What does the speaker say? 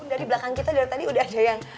dari belakang kita dari tadi udah ada yang